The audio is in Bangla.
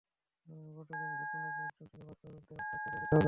প্রতিদিনই স্বপ্নটাকে একটু একটু করে বাস্তবে রূপ দেওয়ার কাজ চালিয়ে যেতে হবে।